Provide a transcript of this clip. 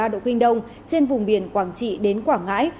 một trăm linh chín ba độ kinh đông trên vùng biển quảng trị đến quảng ngãi